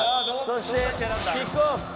そしてキックオフ！